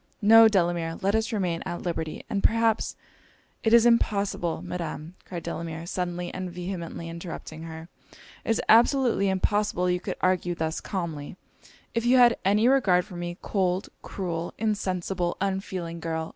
No, Delamere let us remain at liberty, and perhaps ' 'It is impossible, Madam!' cried Delamere, suddenly and vehemently interrupting her 'It is absolutely impossible you could argue thus calmly, if you had any regard for me Cold cruel insensible unfeeling girl!